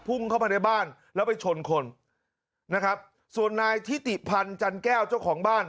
พุ่งเข้ามาในบ้านแล้วไปชนคนนะครับส่วนนายทิติพันธ์จันแก้วเจ้าของบ้าน